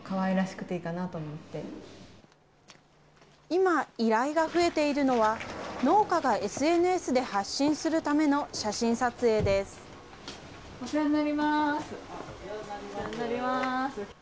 今、依頼が増えているのは、農家がＳＮＳで発信するための写お世話になります。